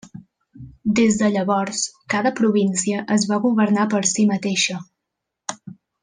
Des de llavors, cada província es va governar per si mateixa.